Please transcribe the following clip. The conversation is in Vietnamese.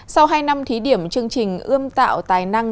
sau hai năm thí điểm chương trình ươm tạo tài năng